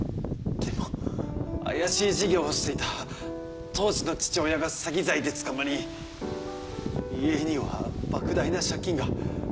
でも怪しい事業をしていた当時の父親が詐欺罪で捕まり家には莫大な借金が。